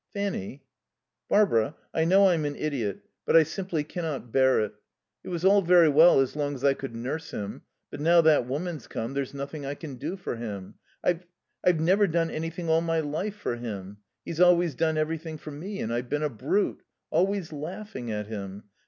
"Fanny " "Barbara, I know I'm an idiot, but I simply cannot bear it. It was all very well as long as I could nurse him, but now that woman's come there's nothing I can do for him.... I've I've never done anything all my life for him. He's always done everything for me. And I've been a brute. Always laughing at him....